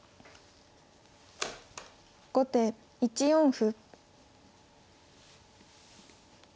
後手１四歩。